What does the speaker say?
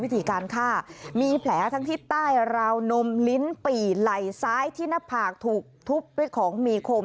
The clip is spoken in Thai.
มีการฆ่ามีแผลทั้งที่ใต้ราวนมลิ้นปี่ไหล่ซ้ายที่หน้าผากถูกทุบด้วยของมีคม